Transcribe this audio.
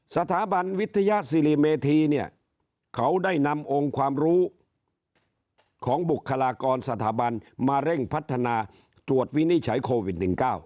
สถาบันวิทยาศิริเมธีเนี่ยเขาได้นำองค์ความรู้ของบุคลากรสถาบันมาเร่งพัฒนาตรวจวินิจฉัยโควิด๑๙